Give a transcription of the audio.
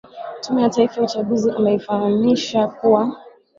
tume ya taifa ya uchaguzi ameifahamisha kuwa